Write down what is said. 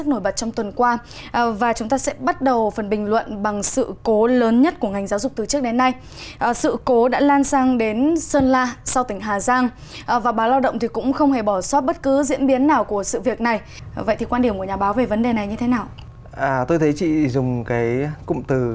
tôi thấy chị dùng cái cụm từ sự cố là rất chính xác